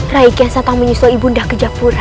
rai kian santang menyusul ibu bunda ke japura